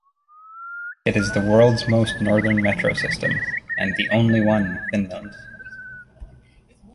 It is the world's most northern metro system, and the only one in Finland.